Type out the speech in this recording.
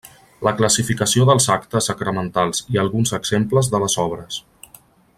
La classificació dels actes sacramentals i alguns exemples de les obres.